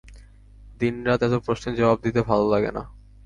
দিন-রাত এত প্রশ্নের জবাব দিতে ভালো লাগে না।